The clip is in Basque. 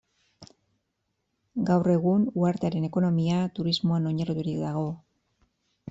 Gaur egun uhartearen ekonomia turismoan oinarriturik dago.